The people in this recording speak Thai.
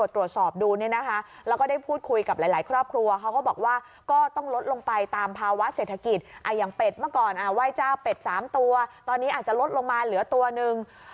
ตอนนี้อาจจะลดลงมาเหลือตัวหนึ่ง